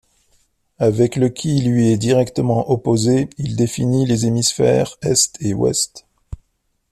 Avec le qui lui est directement opposé, il définit les hémisphères est et ouest.